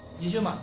２０万。